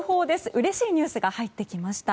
うれしいニュースが入ってきました。